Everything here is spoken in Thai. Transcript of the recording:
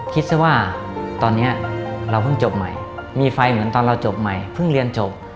คิดซะว่าตอนนี้เราเพิ่งจบใหม่มีไฟเหมือนตอนเราจบใหม่เพิ่งเรียนจบ